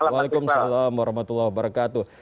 waalaikumsalam warahmatullahi wabarakatuh